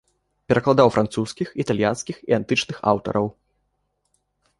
Перакладаў французскіх, італьянскіх і антычных аўтараў.